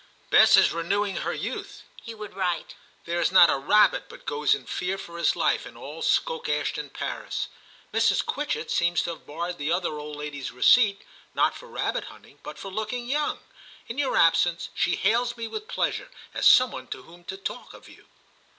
* Bess is renewing her youth,' he would write ;* there is not a rabbit but goes in fear for his life in all Stoke Ashton parish. Mrs. Quitchett seems to have borrowed the other old lady's receipt, not for rabbit hunting, but for looking young. In your absence, she hails me with pleasure, as some one to whom to talk of you.'